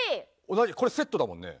同じこれセットだもんね